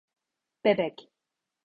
Bebek.